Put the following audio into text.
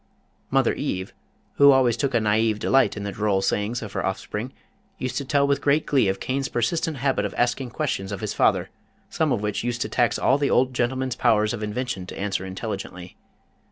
Mother Eve, who always took a naïve delight in the droll sayings of her offspring, used to tell with great glee of Cain's persistent habit of asking questions of his father, some of which used to tax all the old gentleman's powers of invention to answer intelligently.